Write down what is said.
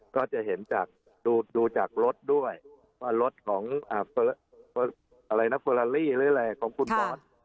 ก็จะเห็นจากดูจากรถด้วยว่ารถของอะไรนะแบร์รี่แรงของคุณบอส